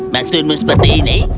maksudmu seperti ini